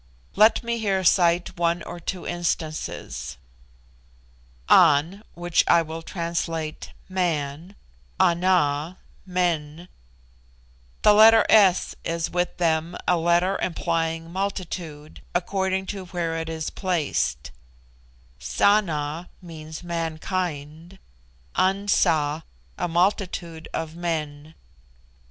Let me here cite one or two instances: An (which I will translate man), Ana (men); the letter 's' is with them a letter implying multitude, according to where it is placed; Sana means mankind; Ansa, a multitude of men.